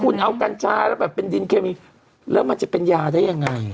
คุณเอากัญชาแล้วแบบเป็นดินเคมีแล้วมันจะเป็นยาได้ยังไง